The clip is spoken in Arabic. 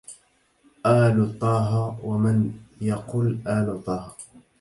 آل طه ومن يقل آل طه